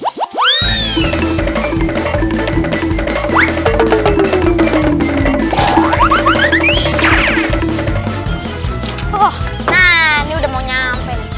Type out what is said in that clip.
nah ini udah mau nyampe